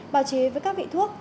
bào chế với các vị thuốc